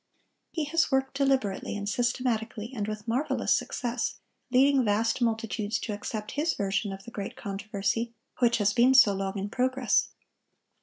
He has worked deliberately and systematically, and with marvelous success, leading vast multitudes to accept his version of the great controversy which has been so long in progress.